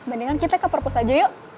mendingan kita ke purpose aja yuk